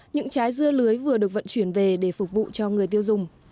những trái dưa lưới vừa được vận chuyển về để phục vụ cho người tiêu dùng